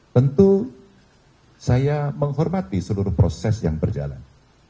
tentu saya menghormati seluruh proses yang berjalan